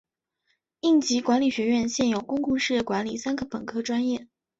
应急管理学院现有公共事业管理三个本科专业。